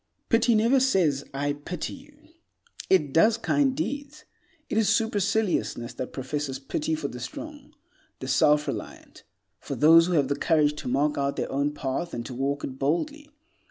Pity never says "I pity you"; it does kind deeds. It is superciliousness that professes pity for the strong, the self reliant, for those who have the courage to mark out their own path and to walk it boldly.